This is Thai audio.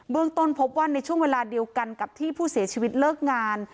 ต้นพบว่าในช่วงเวลาเดียวกันกับที่ผู้เสียชีวิตเลิกงาน